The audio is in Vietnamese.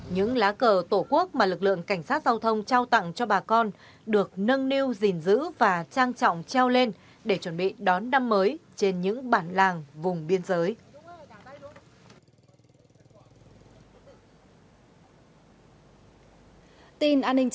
những lá cờ tổ quốc mà lực lượng cảnh sát giao thông trao tặng cho bà con được nâng niu gìn giữ và trang trọng treo lên để chuẩn bị đón năm mới trên những bản làng vùng biên giới